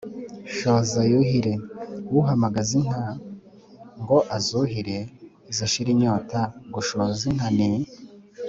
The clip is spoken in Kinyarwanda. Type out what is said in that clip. shoza yuhire: uhamagaza inka ngo azuhire zishire inyota gushoza inka ni